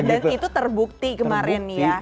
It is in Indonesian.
dan itu terbukti kemarin ya